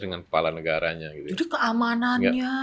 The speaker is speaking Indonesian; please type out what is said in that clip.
dengan kepala negaranya itu keamanannya